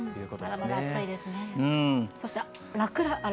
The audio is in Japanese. まだまだ暑いですね。